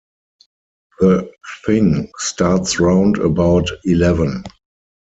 The thing starts round about eleven.